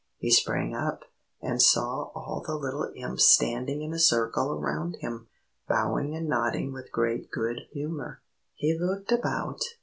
He sprang up, and saw all the little Imps standing in a circle around him, bowing and nodding with great good humour. He looked about.